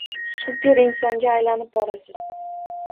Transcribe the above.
Super insonga aylanib borasiz.